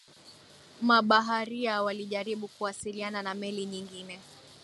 mabaharia walijaribu kuwasiliana na meli nyingine